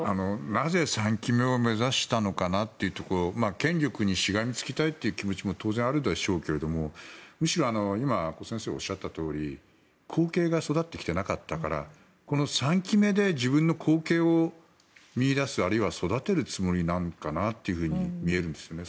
なぜ３期目を目指したのかなというところ権力にしがみつきたいという気持ちも当然、あるでしょうけどむしろ今、阿古先生がおっしゃったとおり後継が育ってきていなかったからこの３期目で自分の後継を見いだすあるいは育てるつもりなのかなっていうふうに見えるんですよね。